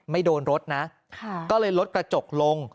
ไม่โดนรถนะก็เลยลดกระจกลง